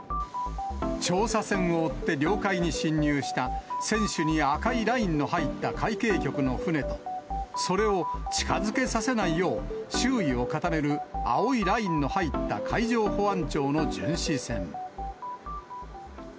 調査船を追って領海に侵入した船首に赤いラインの入った海警局の船と、それを近づけさせないよう、周囲を固める青いラインの入った海上保安庁の巡視船。